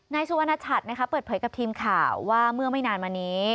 สุวรรณชัดเปิดเผยกับทีมข่าวว่าเมื่อไม่นานมานี้